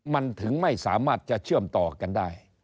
มันถึงไม่สามารถจะเชื่อมต่อกันได้